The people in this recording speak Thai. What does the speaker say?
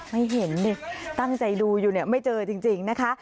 ไม่เห็นดิตั้งใจดูอยู่เนี่ยไม่เจอจริงนะคะ